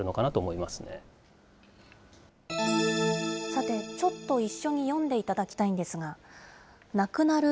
さて、ちょっと一緒に読んでいただきたいんですが、亡くなる